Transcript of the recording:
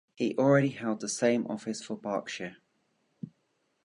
He already held the same office for Berkshire.